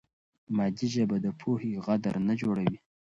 مادي ژبه د پوهې غدر نه جوړوي.